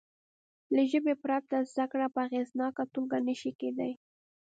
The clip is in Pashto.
له ژبې پرته زده کړه په اغېزناکه توګه نه شي کېدای.